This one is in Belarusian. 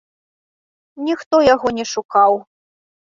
Ніхто яго не шукаў.